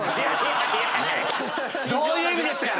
どういう意味ですか！